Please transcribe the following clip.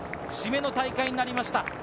節目の大会になりました。